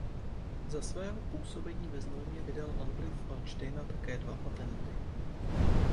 Za svého působení ve Znojmě vydal Albrecht z Valdštejna také dva patenty.